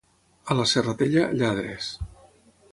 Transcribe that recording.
A la Serratella, lladres.